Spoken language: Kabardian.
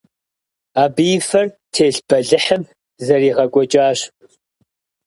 Абы и фэр телъ бэлыхьым зэригъэкӏуэкӏащ.